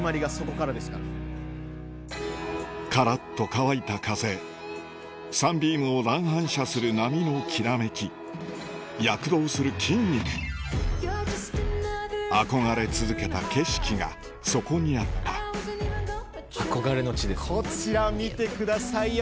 からっと乾いた風サンビームを乱反射する波のきらめき躍動する筋肉憧れ続けた景色がそこにあったこちら見てくださいよ